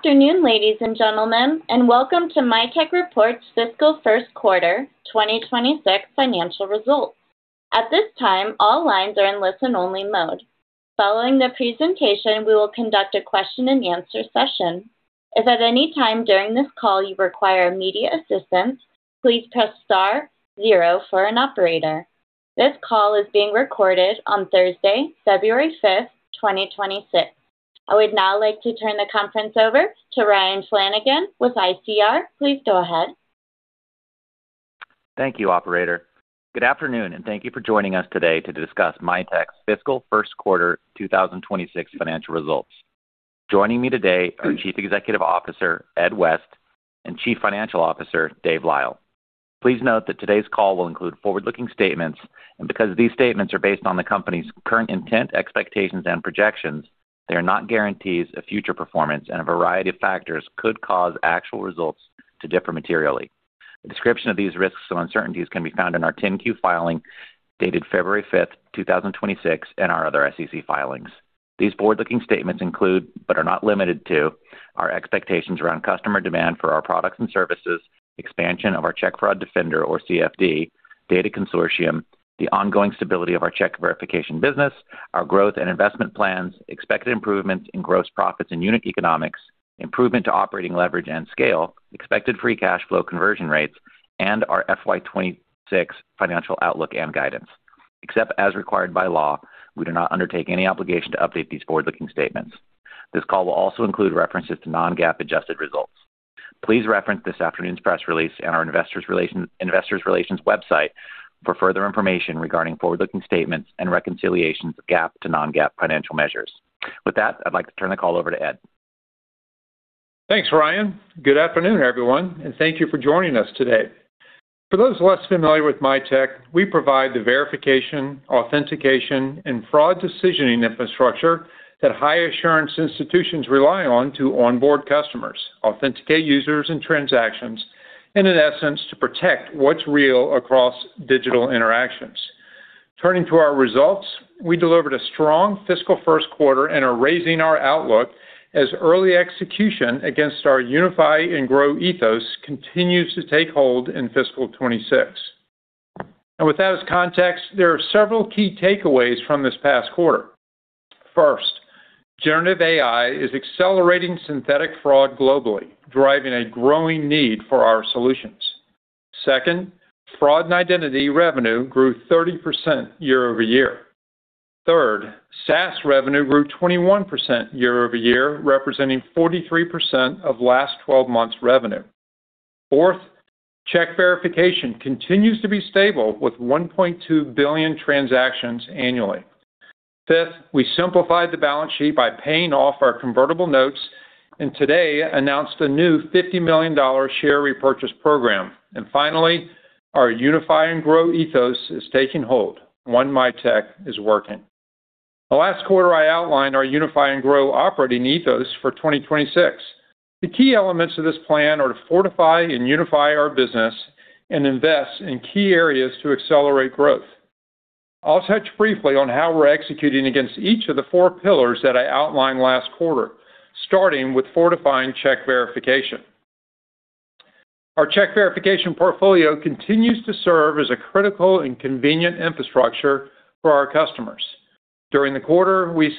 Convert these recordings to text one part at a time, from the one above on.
Afternoon, ladies and gentlemen, and welcome to Mitek Reports Fiscal First Quarter 2026 financial results. At this time, all lines are in listen-only mode. Following the presentation, we will conduct a question-and-answer session. If at any time during this call you require immediate assistance, please press star 0 for an operator. This call is being recorded on Thursday, February 5, 2026. I would now like to turn the conference over to Ryan Flanagan with ICR. Please go ahead. Thank you, Operator. Good afternoon, and thank you for joining us today to discuss Mitek's Fiscal First Quarter 2026 financial results. Joining me today are Chief Executive Officer Ed West and Chief Financial Officer Dave Lyle. Please note that today's call will include forward-looking statements, and because these statements are based on the company's current intent, expectations, and projections, they are not guarantees of future performance, and a variety of factors could cause actual results to differ materially. A description of these risks and uncertainties can be found in our 10-Q filing dated February 5, 2026, and our other SEC filings. These forward-looking statements include but are not limited to our expectations around customer demand for our products and services, expansion of our Check Fraud Defender, or CFD, data consortium, the ongoing stability of our Check Verification business, our growth and investment plans, expected improvements in gross profits and unit economics, improvement to operating leverage and scale, expected free cash flow conversion rates, and our FY26 financial outlook and guidance. Except as required by law, we do not undertake any obligation to update these forward-looking statements. This call will also include references to non-GAAP adjusted results. Please reference this afternoon's press release and our Investor Relations website for further information regarding forward-looking statements and reconciliations of GAAP to non-GAAP financial measures. With that, I'd like to turn the call over to Ed. Thanks, Ryan. Good afternoon, everyone, and thank you for joining us today. For those less familiar with Mitek, we provide the verification, authentication, and fraud decisioning infrastructure that high-assurance institutions rely on to onboard customers, authenticate users and transactions, and in essence, to protect what's real across digital interactions. Turning to our results, we delivered a strong Fiscal First Quarter and are raising our outlook as early execution against our Unify and Grow ethos continues to take hold in Fiscal 2026. And with that as context, there are several key takeaways from this past quarter. First, Generative AI is accelerating synthetic fraud globally, driving a growing need for our solutions. Second, fraud and identity revenue grew 30% year-over-year. Third, SaaS revenue grew 21% year-over-year, representing 43% of last 12 months' revenue. Fourth, Check Verification continues to be stable with 1.2 billion transactions annually. Fifth, we simplified the balance sheet by paying off our convertible notes and today announced a new $50 million share repurchase program. And finally, our Unify and Grow ethos is taking hold. One Mitek is working. The last quarter I outlined our Unify and Grow operating ethos for 2026. The key elements of this plan are to fortify and unify our business and invest in key areas to accelerate growth. I'll touch briefly on how we're executing against each of the four pillars that I outlined last quarter, starting with fortifying Check Verification. Our Check Verification portfolio continues to serve as a critical and convenient infrastructure for our customers. During the quarter, we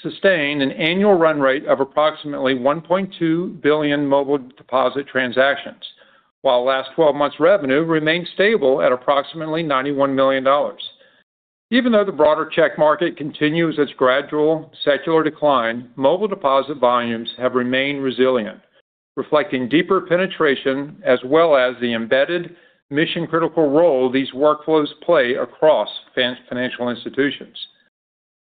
sustained an annual run rate of approximately 1.2 billion Mobile Deposit transactions, while last 12 months' revenue remained stable at approximately $91 million. Even though the broader check market continues its gradual, secular decline, mobile deposit volumes have remained resilient, reflecting deeper penetration as well as the embedded mission-critical role these workflows play across financial institutions.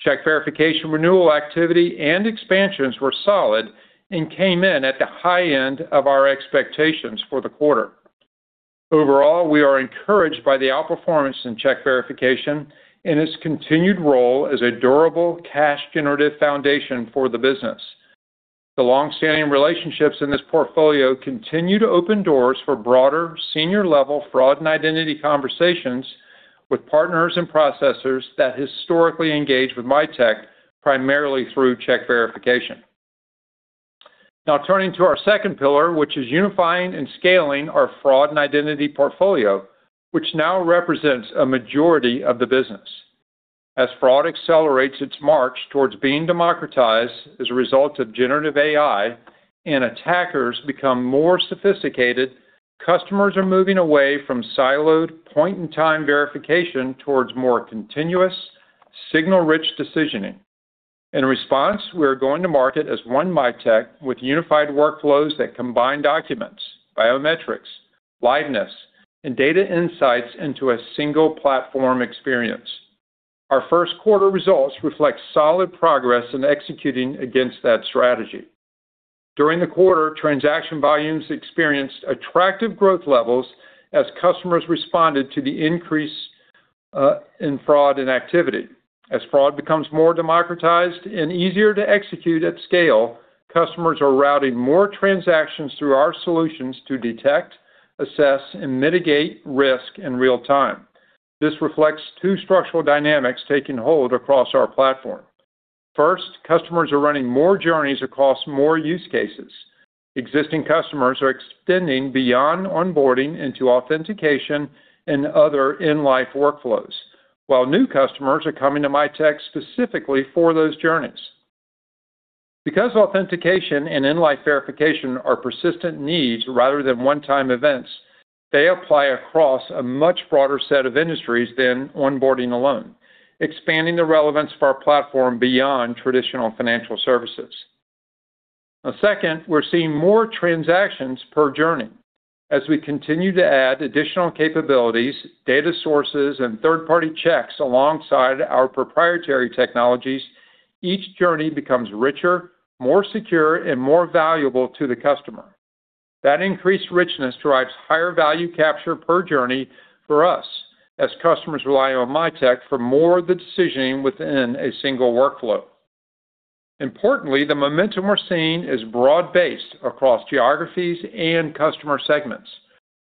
Check verification renewal activity and expansions were solid and came in at the high end of our expectations for the quarter. Overall, we are encouraged by the outperformance in Check Verification and its continued role as a durable cash-generative foundation for the business. The longstanding relationships in this portfolio continue to open doors for broader senior-level fraud and identity conversations with partners and processors that historically engage with Mitek primarily through Check Verification. Now, turning to our second pillar, which is unifying and scaling our fraud and identity portfolio, which now represents a majority of the business. As fraud accelerates its march towards being democratized as a result of Generative AI and attackers become more sophisticated, customers are moving away from siloed, point-in-time verification towards more continuous, signal-rich decisioning. In response, we are going to market as one Mitek with unified workflows that combine documents, biometrics, liveness, and data insights into a single platform experience. Our first quarter results reflect solid progress in executing against that strategy. During the quarter, transaction volumes experienced attractive growth levels as customers responded to the increase in fraud and activity. As fraud becomes more democratized and easier to execute at scale, customers are routing more transactions through our solutions to detect, assess, and mitigate risk in real time. This reflects two structural dynamics taking hold across our platform. First, customers are running more journeys across more use cases. Existing customers are extending beyond onboarding into authentication and other in-life workflows, while new customers are coming to Mitek specifically for those journeys. Because authentication and in-life verification are persistent needs rather than one-time events, they apply across a much broader set of industries than onboarding alone, expanding the relevance of our platform beyond traditional financial services. Second, we're seeing more transactions per journey. As we continue to add additional capabilities, data sources, and third-party checks alongside our proprietary technologies, each journey becomes richer, more secure, and more valuable to the customer. That increased richness drives higher value capture per journey for us as customers rely on Mitek for more of the decisioning within a single workflow. Importantly, the momentum we're seeing is broad-based across geographies and customer segments,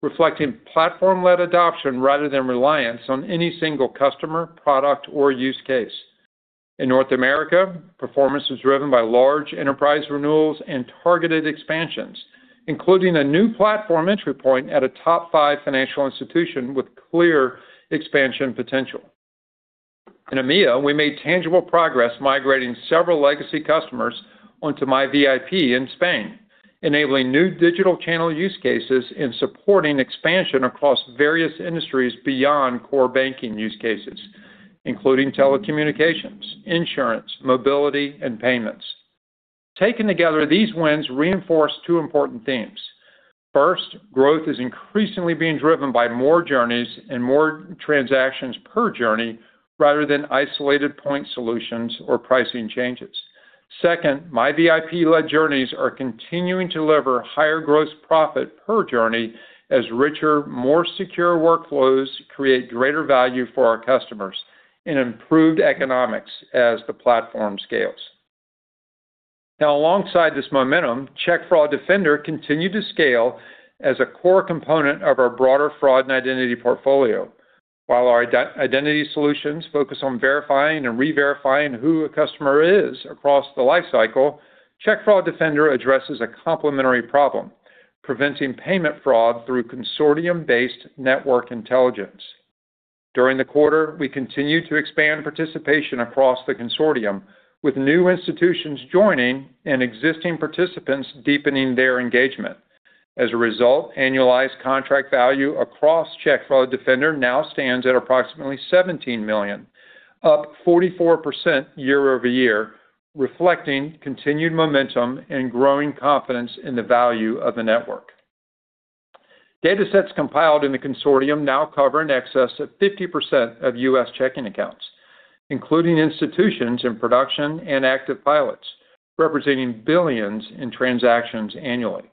reflecting platform-led adoption rather than reliance on any single customer, product, or use case. In North America, performance is driven by large enterprise renewals and targeted expansions, including a new platform entry point at a top five financial institution with clear expansion potential. In EMEA, we made tangible progress migrating several legacy customers onto MiVIP in Spain, enabling new digital channel use cases and supporting expansion across various industries beyond core banking use cases, including telecommunications, insurance, mobility, and payments. Taken together, these wins reinforce two important themes. First, growth is increasingly being driven by more journeys and more transactions per journey rather than isolated point solutions or pricing changes. Second, MiVIP-led journeys are continuing to deliver higher gross profit per journey as richer, more secure workflows create greater value for our customers and improved economics as the platform scales. Now, alongside this momentum, Check Fraud Defender continued to scale as a core component of our broader fraud and identity portfolio. While our identity solutions focus on verifying and re-verifying who a customer is across the lifecycle, Check Fraud Defender addresses a complementary problem, preventing payment fraud through consortium-based network intelligence. During the quarter, we continued to expand participation across the consortium, with new institutions joining and existing participants deepening their engagement. As a result, annualized contract value across Check Fraud Defender now stands at approximately $17 million, up 44% year-over-year, reflecting continued momentum and growing confidence in the value of the network. Datasets compiled in the consortium now cover in excess of 50% of U.S. checking accounts, including institutions in production and active pilots, representing billions in transactions annually.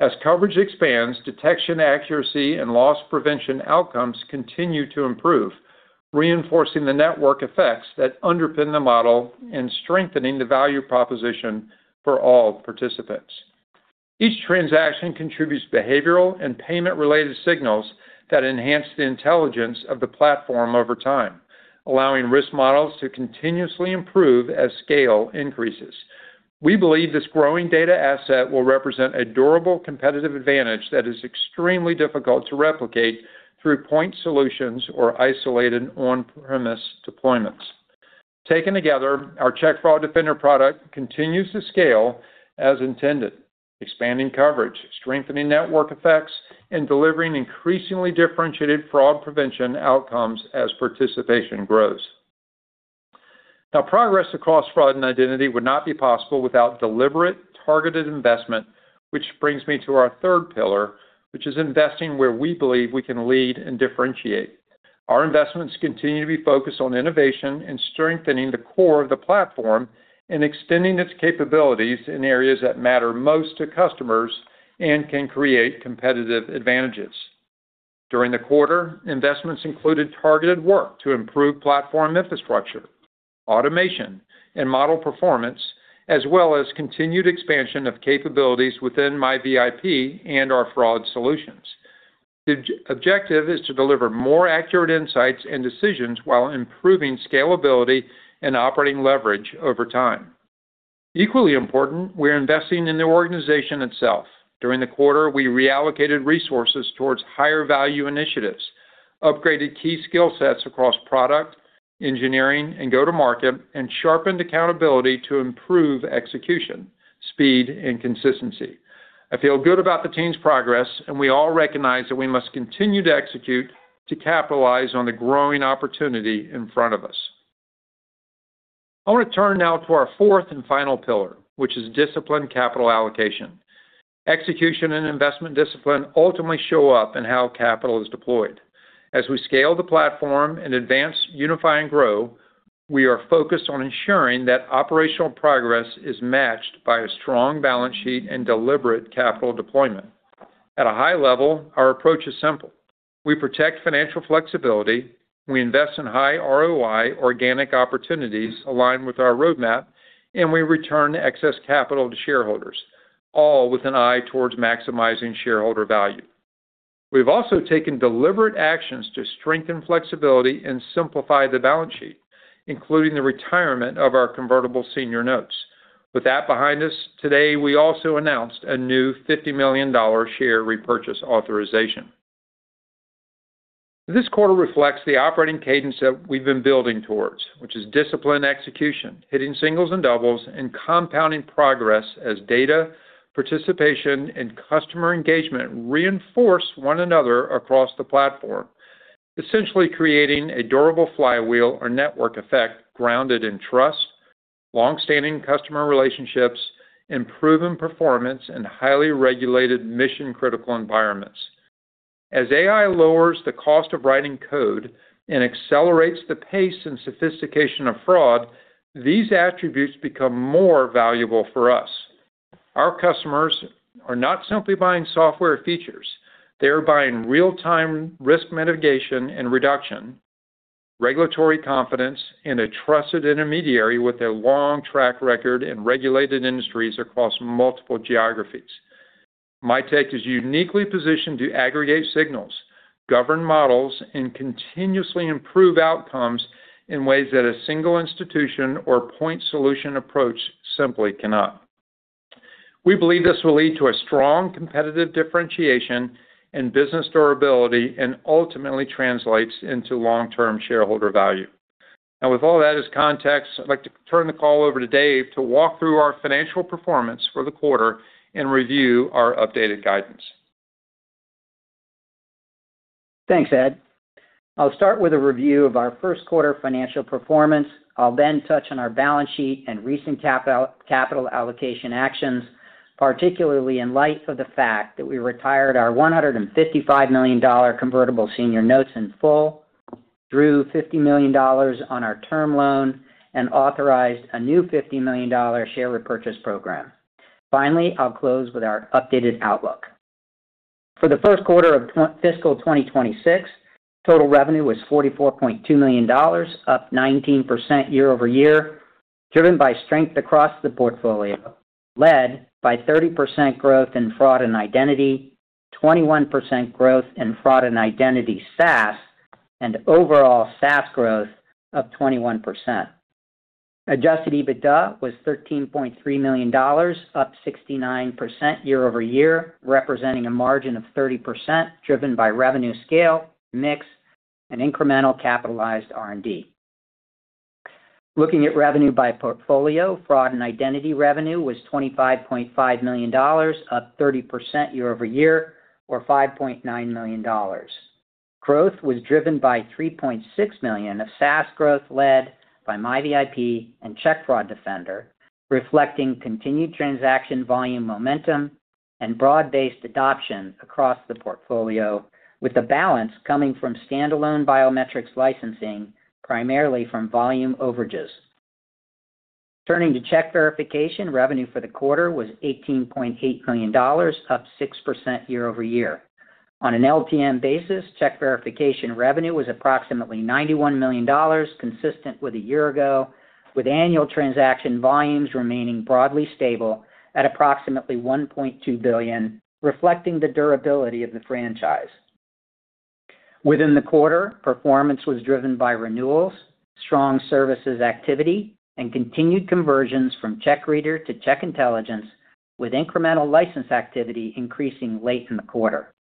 As coverage expands, detection accuracy and loss prevention outcomes continue to improve, reinforcing the network effects that underpin the model and strengthening the value proposition for all participants. Each transaction contributes behavioral and payment-related signals that enhance the intelligence of the platform over time, allowing risk models to continuously improve as scale increases. We believe this growing data asset will represent a durable competitive advantage that is extremely difficult to replicate through point solutions or isolated on-premise deployments. Taken together, our Check Fraud Defender product continues to scale as intended, expanding coverage, strengthening network effects, and delivering increasingly differentiated fraud prevention outcomes as participation grows. Now, progress across fraud and identity would not be possible without deliberate, targeted investment, which brings me to our third pillar, which is investing where we believe we can lead and differentiate. Our investments continue to be focused on innovation and strengthening the core of the platform and extending its capabilities in areas that matter most to customers and can create competitive advantages. During the quarter, investments included targeted work to improve platform infrastructure, automation, and model performance, as well as continued expansion of capabilities within MiVIP and our fraud solutions. The objective is to deliver more accurate insights and decisions while improving scalability and operating leverage over time. Equally important, we're investing in the organization itself. During the quarter, we reallocated resources towards higher value initiatives, upgraded key skill sets across product, engineering, and go-to-market, and sharpened accountability to improve execution, speed, and consistency. I feel good about the team's progress, and we all recognize that we must continue to execute to capitalize on the growing opportunity in front of us. I want to turn now to our fourth and final pillar, which is discipline capital allocation. Execution and investment discipline ultimately show up in how capital is deployed. As we scale the platform and advance Unify and Grow, we are focused on ensuring that operational progress is matched by a strong balance sheet and deliberate capital deployment. At a high level, our approach is simple. We protect financial flexibility. We invest in high ROI organic opportunities aligned with our roadmap, and we return excess capital to shareholders, all with an eye towards maximizing shareholder value. We've also taken deliberate actions to strengthen flexibility and simplify the balance sheet, including the retirement of our Convertible Senior Notes. With that behind us, today, we also announced a new $50 million share repurchase authorization. This quarter reflects the operating cadence that we've been building towards, which is discipline execution, hitting singles and doubles, and compounding progress as data, participation, and customer engagement reinforce one another across the platform, essentially creating a durable flywheel or network effect grounded in trust, longstanding customer relationships, improving performance, and highly regulated mission-critical environments. As AI lowers the cost of writing code and accelerates the pace and sophistication of fraud, these attributes become more valuable for us. Our customers are not simply buying software features. They are buying real-time risk mitigation and reduction, regulatory confidence, and a trusted intermediary with a long track record in regulated industries across multiple geographies. Mitek is uniquely positioned to aggregate signals, govern models, and continuously improve outcomes in ways that a single institution or point solution approach simply cannot. We believe this will lead to a strong competitive differentiation and business durability and ultimately translates into long-term shareholder value. Now, with all that as context, I'd like to turn the call over to Dave to walk through our financial performance for the quarter and review our updated guidance. Thanks, Ed. I'll start with a review of our first quarter financial performance. I'll then touch on our balance sheet and recent capital allocation actions, particularly in light of the fact that we retired our $155 million convertible senior notes in full, drew $50 million on our term loan, and authorized a new $50 million share repurchase program. Finally, I'll close with our updated outlook. For the first quarter of fiscal 2026, total revenue was $44.2 million, up 19% year over year, driven by strength across the portfolio, led by 30% growth in fraud and identity, 21% growth in fraud and identity SaaS, and overall SaaS growth of 21%. Adjusted EBITDA was $13.3 million, up 69% year over year, representing a margin of 30% driven by revenue scale, mix, and incremental capitalized R&D. Looking at revenue by portfolio, fraud and identity revenue was $25.5 million, up 30% year-over-year, or $5.9 million. Growth was driven by $3.6 million of SaaS growth led by MiVIP and Check Fraud Defender, reflecting continued transaction volume momentum and broad-based adoption across the portfolio, with the balance coming from standalone biometrics licensing, primarily from volume overages. Turning to Check Verification, revenue for the quarter was $18.8 million, up 6% year-over-year. On an LTM basis, Check Verification revenue was approximately $91 million, consistent with a year ago, with annual transaction volumes remaining broadly stable at approximately $1.2 billion, reflecting the durability of the franchise. Within the quarter, performance was driven by renewals, strong services activity, and continued conversions from check reader to Check Intelligence, with incremental license activity increasing late in the quarter.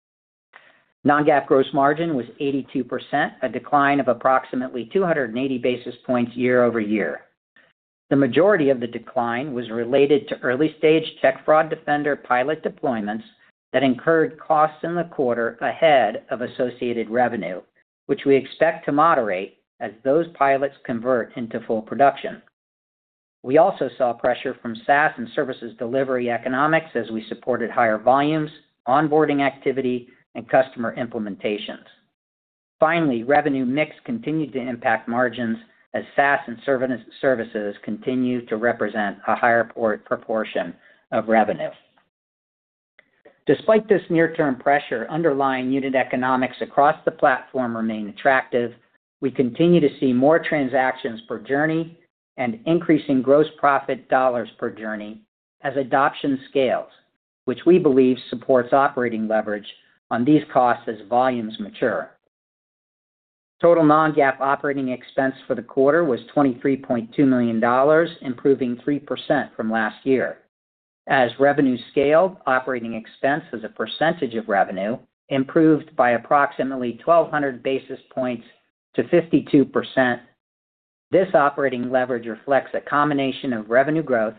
Non-GAAP gross margin was 82%, a decline of approximately 280 basis points year-over-year. The majority of the decline was related to early-stage Check Fraud Defender pilot deployments that incurred costs in the quarter ahead of associated revenue, which we expect to moderate as those pilots convert into full production. We also saw pressure from SaaS and services delivery economics as we supported higher volumes, onboarding activity, and customer implementations. Finally, revenue mix continued to impact margins as SaaS and services continue to represent a higher proportion of revenue. Despite this near-term pressure, underlying unit economics across the platform remain attractive. We continue to see more transactions per journey and increasing gross profit dollars per journey as adoption scales, which we believe supports operating leverage on these costs as volumes mature. Total non-GAAP operating expense for the quarter was $23.2 million, improving 3% from last year. As revenue scaled, operating expense as a percentage of revenue improved by approximately 1,200 basis points to 52%. This operating leverage reflects a combination of revenue growth,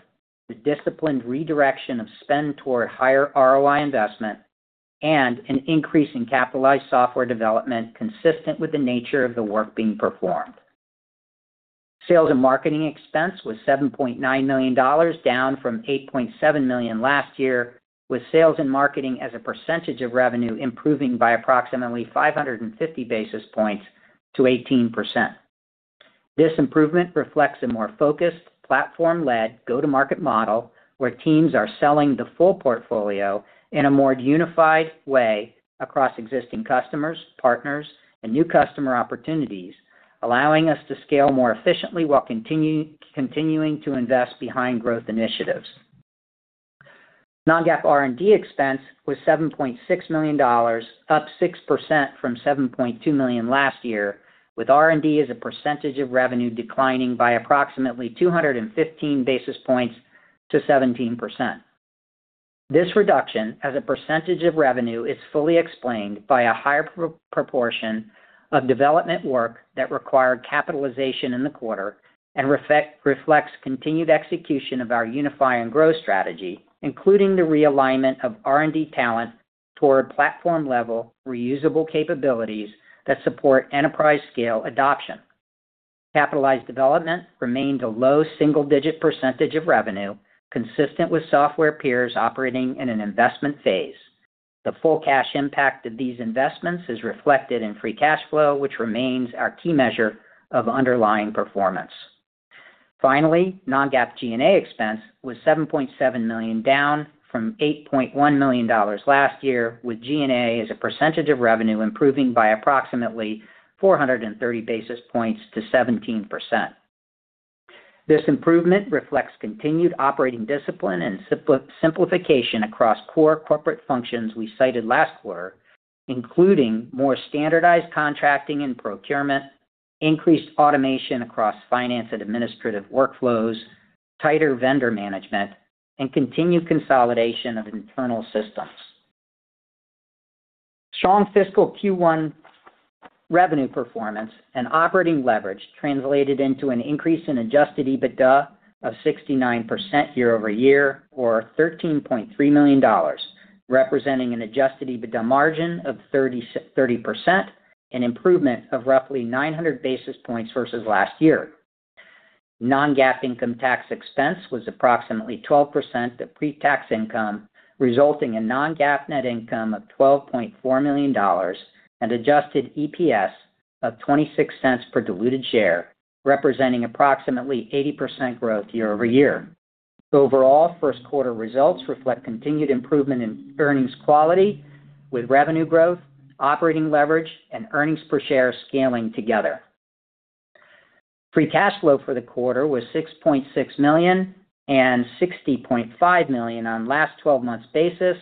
the disciplined redirection of spend toward higher ROI investment, and an increase in capitalized software development consistent with the nature of the work being performed. Sales and marketing expense was $7.9 million, down from $8.7 million last year, with sales and marketing as a percentage of revenue improving by approximately 550 basis points to 18%. This improvement reflects a more focused, platform-led go-to-market model where teams are selling the full portfolio in a more unified way across existing customers, partners, and new customer opportunities, allowing us to scale more efficiently while continuing to invest behind growth initiatives. Non-GAAP R&D expense was $7.6 million, up 6% from $7.2 million last year, with R&D as a percentage of revenue declining by approximately 215 basis points to 17%. This reduction as a percentage of revenue is fully explained by a higher proportion of development work that required capitalization in the quarter and reflects continued execution of our Unify and Grow strategy, including the realignment of R&D talent toward platform-level reusable capabilities that support enterprise-scale adoption. Capitalized development remained a low single-digit percentage of revenue, consistent with software peers operating in an investment phase. The full cash impact of these investments is reflected in free cash flow, which remains our key measure of underlying performance. Finally, non-GAAP G&A expense was $7.7 million, down from $8.1 million last year, with G&A as a percentage of revenue improving by approximately 430 basis points to 17%. This improvement reflects continued operating discipline and simplification across core corporate functions we cited last quarter, including more standardized contracting and procurement, increased automation across finance and administrative workflows, tighter vendor management, and continued consolidation of internal systems. Strong fiscal Q1 revenue performance and operating leverage translated into an increase in adjusted EBITDA of 69% year-over-year, or $13.3 million, representing an adjusted EBITDA margin of 30%, an improvement of roughly 900 basis points versus last year. Non-GAAP income tax expense was approximately 12% of pre-tax income, resulting in non-GAAP net income of $12.4 million and adjusted EPS of $0.26 per diluted share, representing approximately 80% growth year-over-year. Overall, first quarter results reflect continued improvement in earnings quality, with revenue growth, operating leverage, and earnings per share scaling together. Free cash flow for the quarter was $6.6 million and $60.5 million on last 12 months' basis,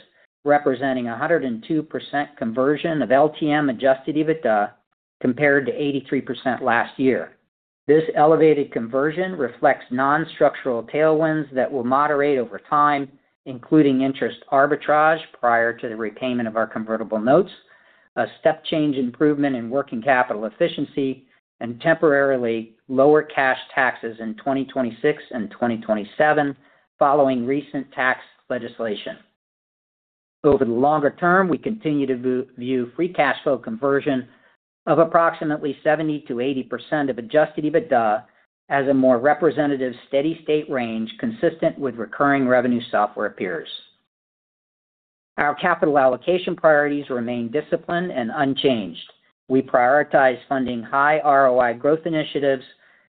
representing 102% conversion of LTM Adjusted EBITDA compared to 83% last year. This elevated conversion reflects non-structural tailwinds that will moderate over time, including interest arbitrage prior to the repayment of our convertible notes, a step change improvement in working capital efficiency, and temporarily lower cash taxes in 2026 and 2027 following recent tax legislation. Over the longer term, we continue to view free cash flow conversion of approximately 70%-80% of Adjusted EBITDA as a more representative steady-state range consistent with recurring revenue software peers. Our capital allocation priorities remain disciplined and unchanged. We prioritize funding high ROI growth initiatives,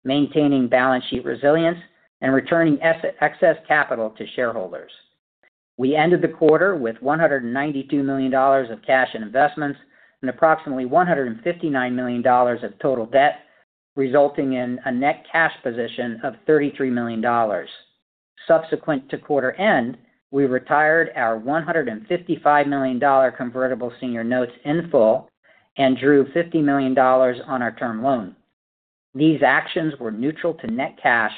maintaining balance sheet resilience, and returning excess capital to shareholders. We ended the quarter with $192 million of cash and investments and approximately $159 million of total debt, resulting in a net cash position of $33 million. Subsequent to quarter end, we retired our $155 million convertible senior notes in full and drew $50 million on our term loan. These actions were neutral to net cash,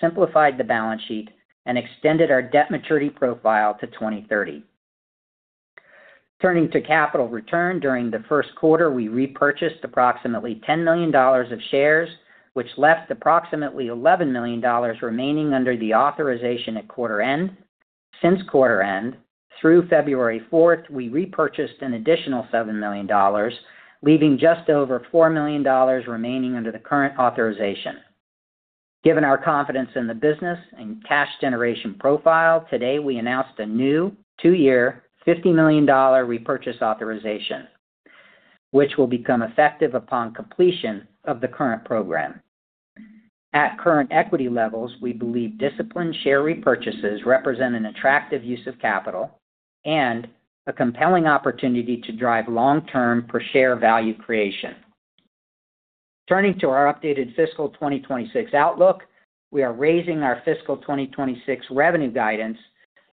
simplified the balance sheet, and extended our debt maturity profile to 2030. Turning to capital return, during the first quarter, we repurchased approximately $10 million of shares, which left approximately $11 million remaining under the authorization at quarter end. Since quarter end, through February 4th, we repurchased an additional $7 million, leaving just over $4 million remaining under the current authorization. Given our confidence in the business and cash generation profile, today we announced a new two-year $50 million repurchase authorization, which will become effective upon completion of the current program. At current equity levels, we believe disciplined share repurchases represent an attractive use of capital and a compelling opportunity to drive long-term per-share value creation. Turning to our updated fiscal 2026 outlook, we are raising our fiscal 2026 revenue guidance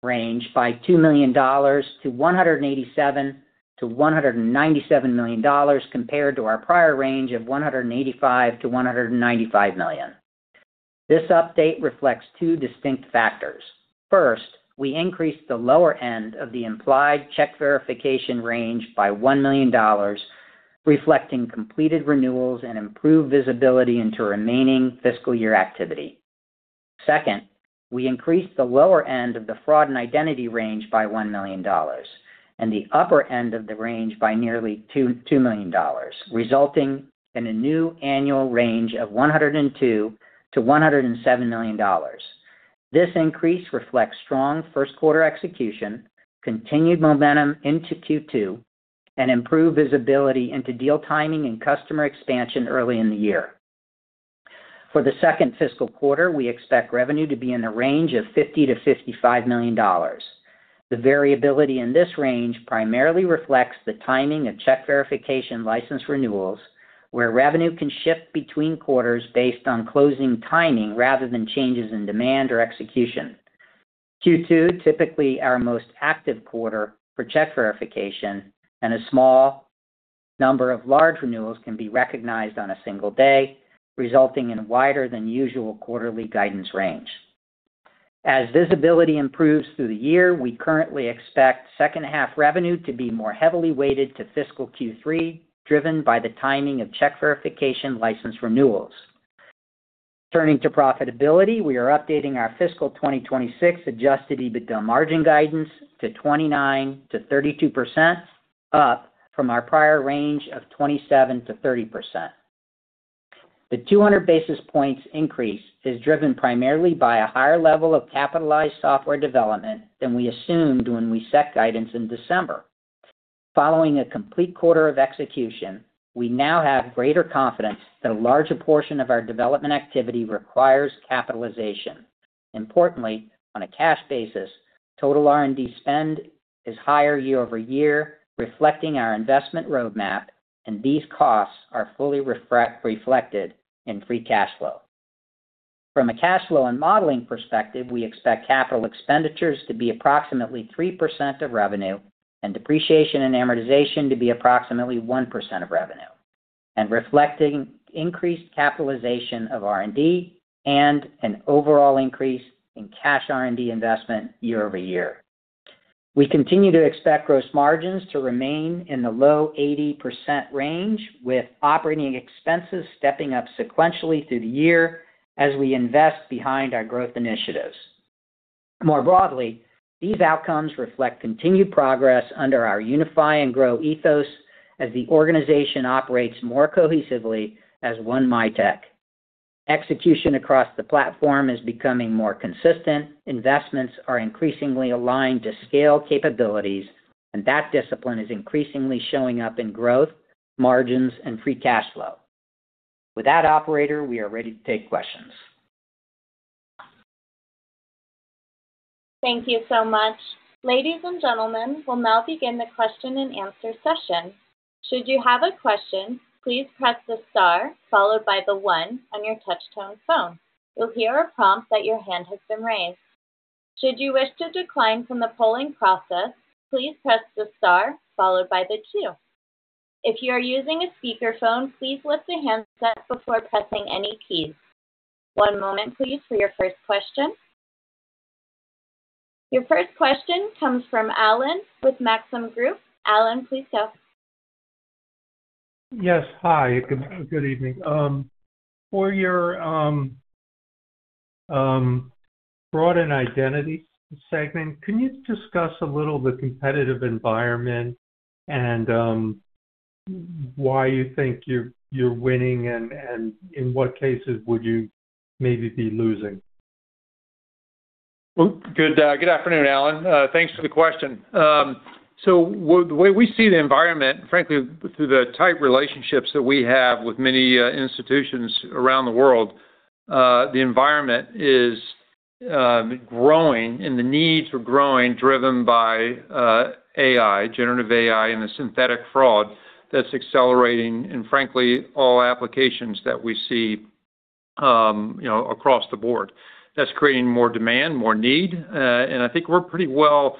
range by $2 million to $187 million-$197 million compared to our prior range of $185 million-$195 million. This update reflects two distinct factors. First, we increased the lower end of the implied Check Verification range by $1 million, reflecting completed renewals and improved visibility into remaining fiscal year activity. Second, we increased the lower end of the fraud and identity range by $1 million and the upper end of the range by nearly $2 million, resulting in a new annual range of $102 million-$107 million. This increase reflects strong first quarter execution, continued momentum into Q2, and improved visibility into deal timing and customer expansion early in the year. For the second fiscal quarter, we expect revenue to be in the range of $50 million-$55 million. The variability in this range primarily reflects the timing of Check Verification license renewals, where revenue can shift between quarters based on closing timing rather than changes in demand or execution. Q2, typically our most active quarter for Check Verification, and a small number of large renewals can be recognized on a single day, resulting in a wider than usual quarterly guidance range. As visibility improves through the year, we currently expect second-half revenue to be more heavily weighted to fiscal Q3, driven by the timing of Check Verification license renewals. Turning to profitability, we are updating our fiscal 2026 Adjusted EBITDA margin guidance to 29%-32%, up from our prior range of 27%-30%. The 200 basis points increase is driven primarily by a higher level of capitalized software development than we assumed when we set guidance in December. Following a complete quarter of execution, we now have greater confidence that a larger portion of our development activity requires capitalization. Importantly, on a cash basis, total R&D spend is higher year-over-year, reflecting our investment roadmap, and these costs are fully reflected in free cash flow. From a cash flow and modeling perspective, we expect capital expenditures to be approximately 3% of revenue and depreciation and amortization to be approximately 1% of revenue, and reflecting increased capitalization of R&D and an overall increase in cash R&D investment year-over-year. We continue to expect gross margins to remain in the low 80% range, with operating expenses stepping up sequentially through the year as we invest behind our growth initiatives. More broadly, these outcomes reflect continued progress under our Unify and Grow ethos as the organization operates more cohesively as one Mitek. Execution across the platform is becoming more consistent, investments are increasingly aligned to scale capabilities, and that discipline is increasingly showing up in growth, margins, and free cash flow. With that, operator, we are ready to take questions. Thank you so much. Ladies and gentlemen, we'll now begin the question and answer session. Should you have a question, please press the star followed by the 1 on your touch-tone phone. You'll hear a prompt that your hand has been raised. Should you wish to decline from the polling process, please press the star followed by the 2. If you are using a speakerphone, please lift the handset before pressing any keys. One moment, please, for your first question. Your first question comes from Allen with Maxim Group. Allen, please go. Yes, hi. Good evening. For your fraud and identity segment, can you discuss a little the competitive environment and why you think you're winning and in what cases would you maybe be losing? Good afternoon, Allen. Thanks for the question. So the way we see the environment, frankly, through the tight relationships that we have with many institutions around the world, the environment is growing and the needs are growing driven by AI, generative AI, and the synthetic fraud that's accelerating in, frankly, all applications that we see across the board. That's creating more demand, more need. And I think we're pretty well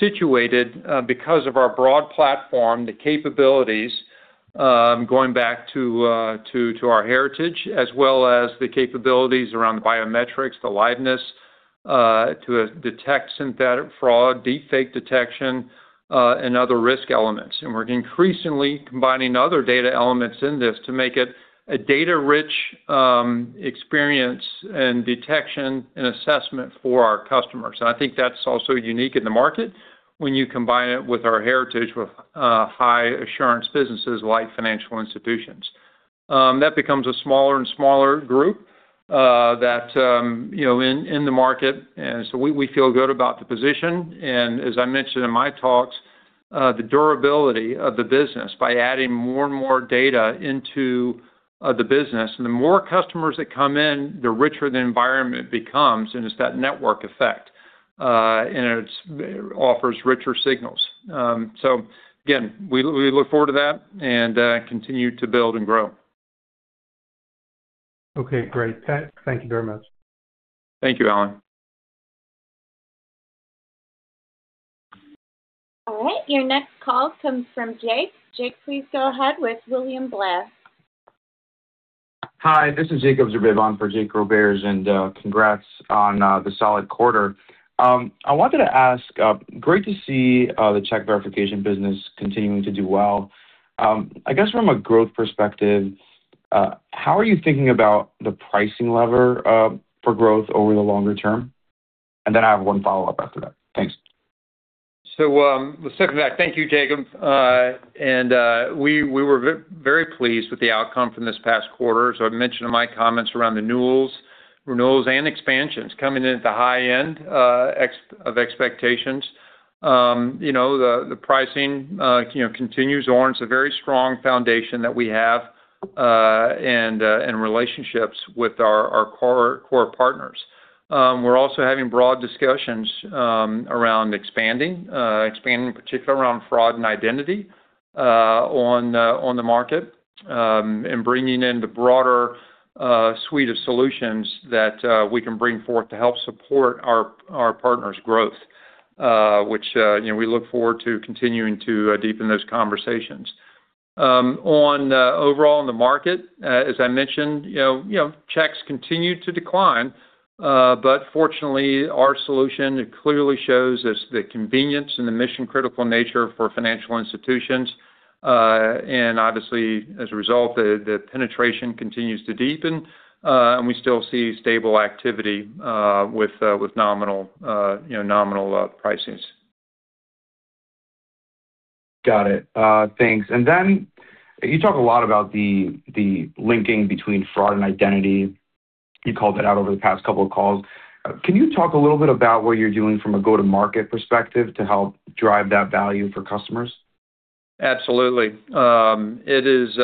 situated because of our broad platform, the capabilities, going back to our heritage, as well as the capabilities around the biometrics, the liveness to detect synthetic fraud, deepfake detection, and other risk elements. And we're increasingly combining other data elements in this to make it a data-rich experience and detection and assessment for our customers. And I think that's also unique in the market when you combine it with our heritage with high-assurance businesses like financial institutions. That becomes a smaller and smaller group in the market. And so we feel good about the position. And as I mentioned in my talks, the durability of the business by adding more and more data into the business, and the more customers that come in, the richer the environment becomes. And it's that network effect, and it offers richer signals. So again, we look forward to that and continue to build and grow. Okay, great. Pat, thank you very much. Thank you, Allen. All right. Your next call comes from Jake. Jake, please go ahead with William Blair. Hi, this is Jacob Zerbib on for Jake Roberge, and congrats on the solid quarter. I wanted to ask, great to see the Check Verification business continuing to do well. I guess from a growth perspective, how are you thinking about the pricing lever for growth over the longer term? And then I have one follow-up after that. Thanks. So, to second that, thank you, Jacob. We were very pleased with the outcome from this past quarter. I mentioned in my comments around renewals and expansions coming in at the high end of expectations. The pricing continues on. It's a very strong foundation that we have and relationships with our core partners. We're also having broad discussions around expanding, expanding in particular around fraud and identity on the market and bringing in the broader suite of solutions that we can bring forth to help support our partners' growth, which we look forward to continuing to deepen those conversations. Overall, in the market, as I mentioned, checks continue to decline. Fortunately, our solution clearly shows the convenience and the mission-critical nature for financial institutions. Obviously, as a result, the penetration continues to deepen, and we still see stable activity with nominal pricings. Got it. Thanks. And then you talk a lot about the linking between fraud and identity. You called that out over the past couple of calls. Can you talk a little bit about what you're doing from a go-to-market perspective to help drive that value for customers? Absolutely. It is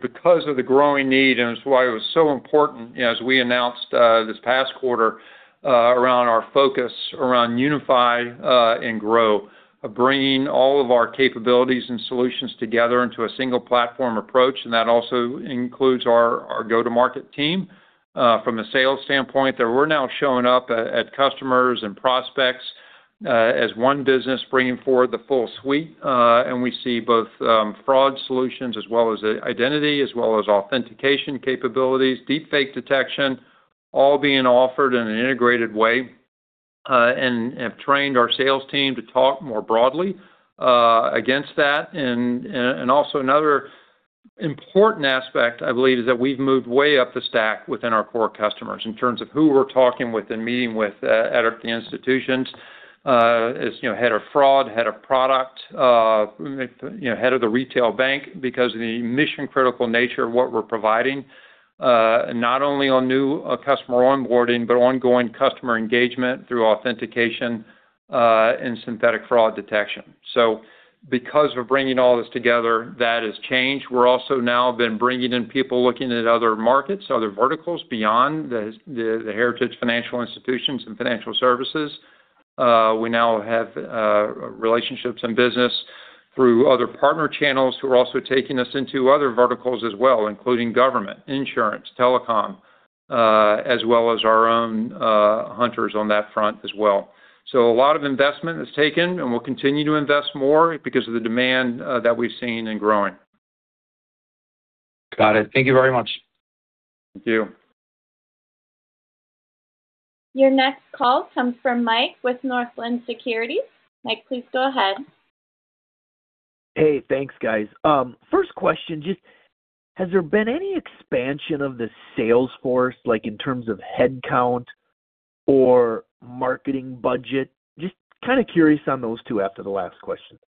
because of the growing need, and it's why it was so important as we announced this past quarter around our focus around Unify and Grow, bringing all of our capabilities and solutions together into a single platform approach. And that also includes our go-to-market team. From a sales standpoint, we're now showing up at customers and prospects as one business bringing forward the full suite. And we see both fraud solutions as well as identity as well as authentication capabilities, deepfake detection, all being offered in an integrated way. And I've trained our sales team to talk more broadly against that. And also another important aspect, I believe, is that we've moved way up the stack within our core customers in terms of who we're talking with and meeting with at the institutions as head of fraud, head of product, head of the retail bank because of the mission-critical nature of what we're providing, not only on new customer onboarding but ongoing customer engagement through authentication and synthetic fraud detection. So because of bringing all this together, that has changed. We're also now been bringing in people looking at other markets, other verticals beyond the heritage financial institutions and financial services. We now have relationships in business through other partner channels who are also taking us into other verticals as well, including government, insurance, telecom, as well as our own hunters on that front as well. A lot of investment is taken, and we'll continue to invest more because of the demand that we've seen and growing. Got it. Thank you very much. Thank you. Your next call comes from Mike with Northland Securities. Mike, please go ahead. Hey, thanks, guys. First question, just has there been any expansion of the sales force in terms of headcount or marketing budget? Just kind of curious on those two after the last question.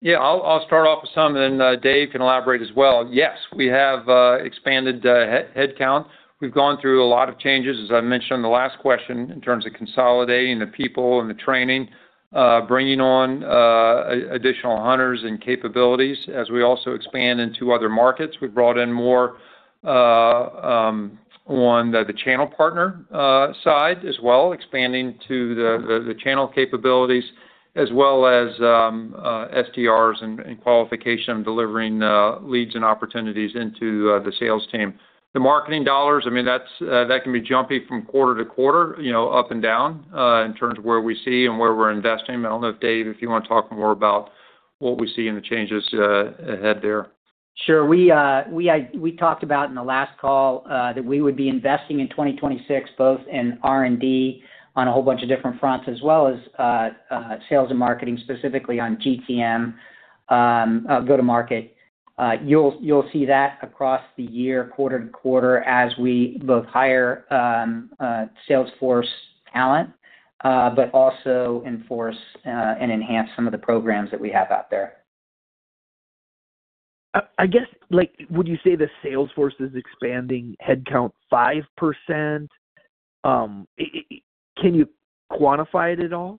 Yeah, I'll start off with some, and then Dave can elaborate as well. Yes, we have expanded headcount. We've gone through a lot of changes, as I mentioned in the last question, in terms of consolidating the people and the training, bringing on additional hunters and capabilities. As we also expand into other markets, we've brought in more on the channel partner side as well, expanding to the channel capabilities as well as SDRs and qualification of delivering leads and opportunities into the sales team. The marketing dollars, I mean, that can be jumpy from quarter to quarter, up and down in terms of where we see and where we're investing. I don't know if, Dave, if you want to talk more about what we see in the changes ahead there? Sure. We talked about in the last call that we would be investing in 2026 both in R&D on a whole bunch of different fronts as well as sales and marketing, specifically on GTM, go-to-market. You'll see that across the year, quarter to quarter, as we both hire sales force talent but also enforce and enhance some of the programs that we have out there. I guess, would you say the sales force is expanding headcount 5%? Can you quantify it at all?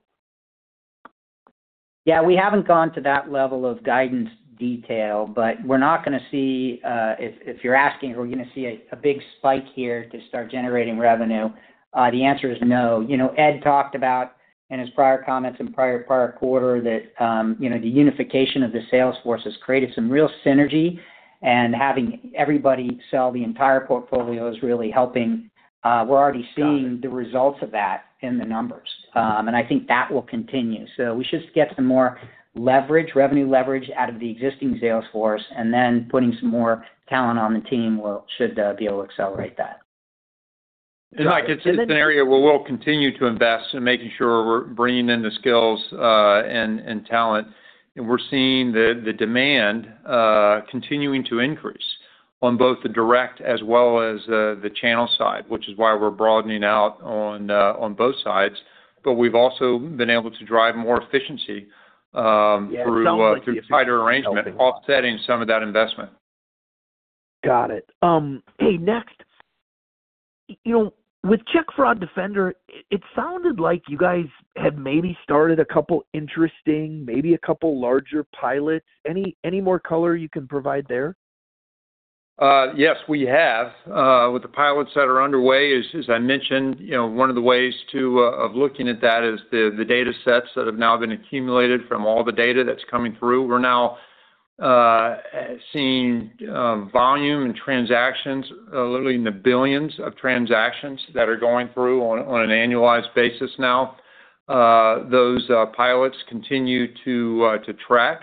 Yeah, we haven't gone to that level of guidance detail, but we're not going to see—if you're asking, are we going to see a big spike here to start generating revenue?—the answer is no. Ed talked about in his prior comments and prior quarter that the unification of the sales force has created some real synergy, and having everybody sell the entire portfolio is really helping. We're already seeing the results of that in the numbers, and I think that will continue. So we should get some more revenue leverage out of the existing sales force, and then putting some more talent on the team should be able to accelerate that. Mike, it's an area where we'll continue to invest in making sure we're bringing in the skills and talent. We're seeing the demand continuing to increase on both the direct as well as the channel side, which is why we're broadening out on both sides. But we've also been able to drive more efficiency through tighter arrangement, offsetting some of that investment. Got it. Hey, next, with Check Fraud Defender, it sounded like you guys had maybe started a couple interesting, maybe a couple larger pilots. Any more color you can provide there? Yes, we have. With the pilots that are underway, as I mentioned, one of the ways of looking at that is the datasets that have now been accumulated from all the data that's coming through. We're now seeing volume and transactions, literally in the billions of transactions that are going through on an annualized basis now. Those pilots continue to track.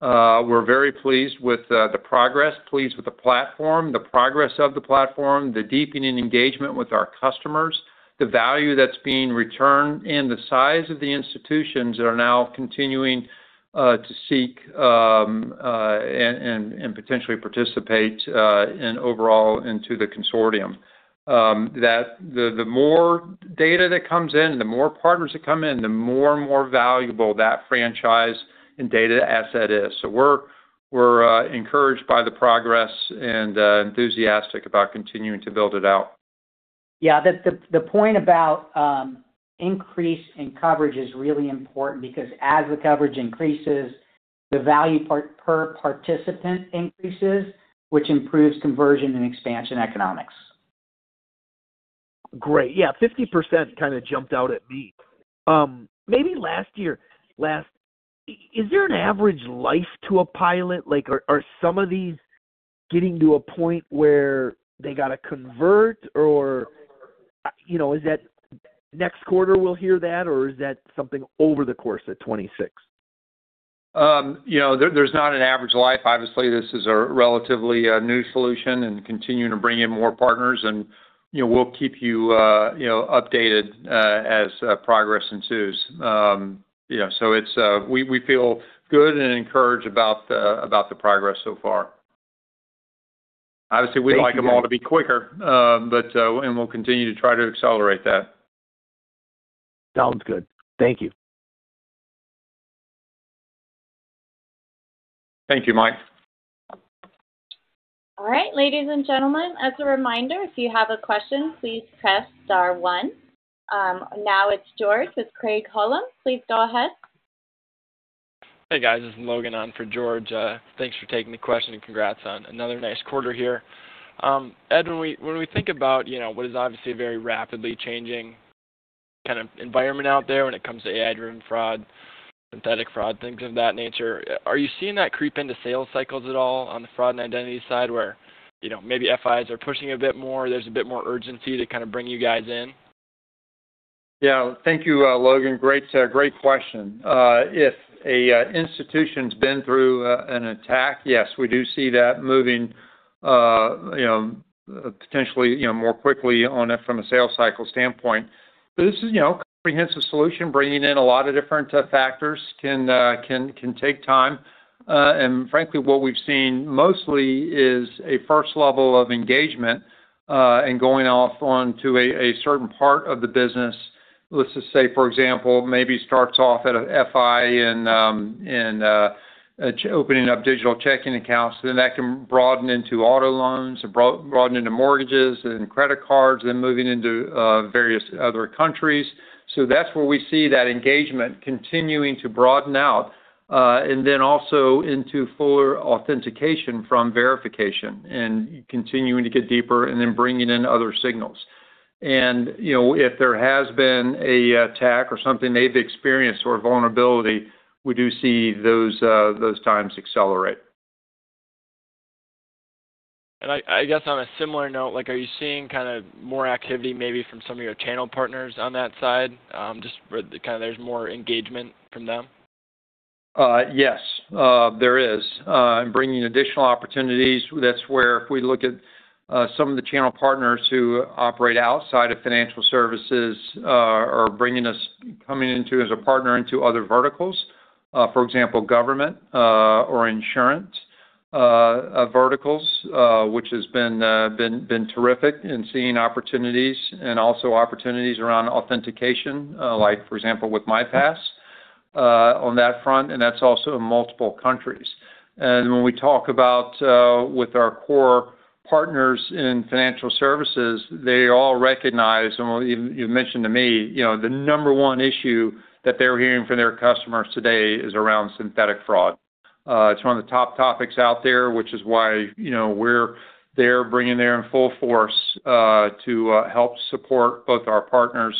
We're very pleased with the progress, pleased with the platform, the progress of the platform, the deepening engagement with our customers, the value that's being returned, and the size of the institutions that are now continuing to seek and potentially participate overall into the consortium. The more data that comes in, the more partners that come in, the more and more valuable that franchise and data asset is. So we're encouraged by the progress and enthusiastic about continuing to build it out. Yeah, the point about increase in coverage is really important because as the coverage increases, the value per participant increases, which improves conversion and expansion economics. Great. Yeah, 50% kind of jumped out at me. Maybe last year, is there an average life to a pilot? Are some of these getting to a point where they got to convert, or is that next quarter we'll hear that, or is that something over the course at 2026? There's not an average life. Obviously, this is a relatively new solution and continuing to bring in more partners. And we'll keep you updated as progress ensues. So we feel good and encouraged about the progress so far. Obviously, we'd like them all to be quicker, and we'll continue to try to accelerate that. Sounds good. Thank you. Thank you, Mike. All right, ladies and gentlemen, as a reminder, if you have a question, please press star one. Now it's George with Craig-Hallum. Please go ahead. Hey, guys, this is Logan on for George. Thanks for taking the question and congrats on another nice quarter here. Ed, when we think about what is obviously a very rapidly changing kind of environment out there when it comes to AI-driven fraud, synthetic fraud, things of that nature, are you seeing that creep into sales cycles at all on the fraud and identity side where maybe FIs are pushing a bit more? There's a bit more urgency to kind of bring you guys in? Yeah, thank you, Logan. Great question. If an institution's been through an attack, yes, we do see that moving potentially more quickly from a sales cycle standpoint. But this is a comprehensive solution. Bringing in a lot of different factors can take time. And frankly, what we've seen mostly is a first level of engagement and going off onto a certain part of the business. Let's just say, for example, maybe starts off at an FI in opening up digital checking accounts. Then that can broaden into auto loans and broaden into mortgages and credit cards, then moving into various other countries. So that's where we see that engagement continuing to broaden out and then also into fuller authentication from verification and continuing to get deeper and then bringing in other signals. If there has been an attack or something they've experienced or a vulnerability, we do see those times accelerate. I guess on a similar note, are you seeing kind of more activity maybe from some of your channel partners on that side? Just kind of there's more engagement from them? Yes, there is. And bringing additional opportunities, that's where if we look at some of the channel partners who operate outside of financial services are coming into as a partner into other verticals, for example, government or insurance verticals, which has been terrific in seeing opportunities and also opportunities around authentication, for example, with MiPass on that front. And that's also in multiple countries. And when we talk about with our core partners in financial services, they all recognize, and you mentioned to me, the number one issue that they're hearing from their customers today is around synthetic fraud. It's one of the top topics out there, which is why we're there bringing there in full force to help support both our partners'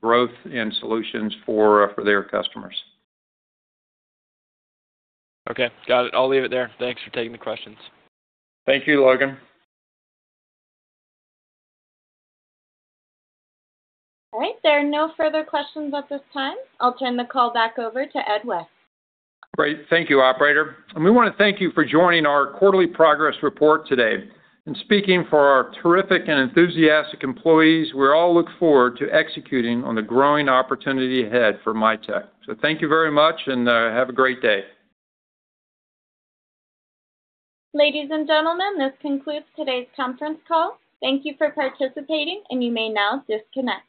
growth and solutions for their customers. Okay, got it. I'll leave it there. Thanks for taking the questions. Thank you, Logan. All right, there are no further questions at this time. I'll turn the call back over to Ed West. Great. Thank you, operator. We want to thank you for joining our quarterly progress report today. Speaking for our terrific and enthusiastic employees, we all look forward to executing on the growing opportunity ahead for Mitek. Thank you very much, and have a great day. Ladies and gentlemen, this concludes today's conference call. Thank you for participating, and you may now disconnect.